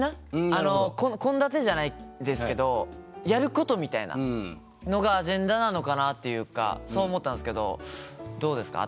あの献立じゃないですけどやることみたいなのがアジェンダなのかなっていうかそう思ったんすけどどうですか？